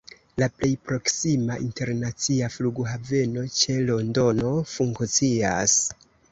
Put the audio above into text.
La plej proksima internacia flughaveno ĉe Londono funkcias.